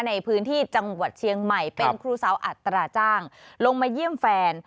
ในพื้นที่จังหวัดเชียงใหม่เป็นครูสาวอัตราจ้างลงมาเยี่ยมแฟน